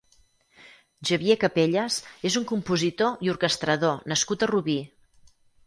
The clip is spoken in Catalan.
Xavier Capellas és un compositor i orquestrador nascut a Rubí.